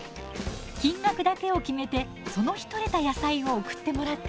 金額だけを決めてその日取れた野菜を送ってもらっています。